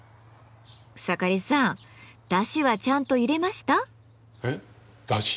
草刈さん「だし」はちゃんと入れました？え？だし？